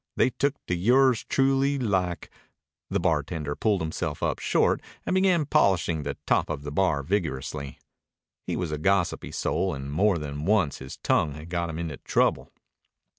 They look to yours truly like " The bartender pulled himself up short and began polishing the top of the bar vigorously. He was a gossipy soul, and more than once his tongue had got him into trouble.